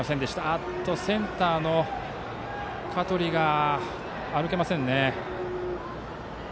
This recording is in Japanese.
おっと、センターの香取が歩けませんね。